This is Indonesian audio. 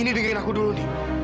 indi dengerin aku dulu di